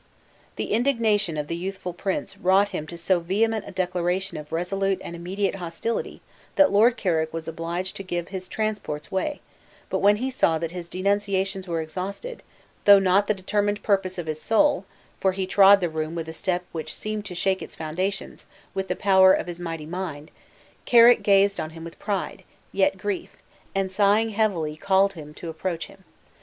The indignation of the youthful prince wrought him to so vehement a declaration of resolute and immediate hostility, that Lord Carrick was obliged to give his transports way; but when he saw that his denunciations were exhausted, though not the determined purpose of his soul (for he trod the room with a step which seemed to shake its foundations, with the power of his mighty mind), Carrick gazed on him with pride, yet grief, and sighing heavily called him to approach him.